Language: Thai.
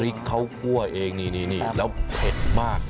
พริกเขาคั่วเองนี่แล้วเผ็ดมาก